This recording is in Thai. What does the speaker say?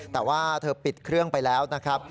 แต่ว่าเธอปิดเครื่องไปแล้วนะครับ